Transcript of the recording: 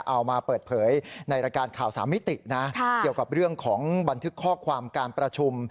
เอามาเปิดเผยในรายการข่าวสามมิตินะเกี่ยวกับเรื่องของบันทึกข้อความการประชุม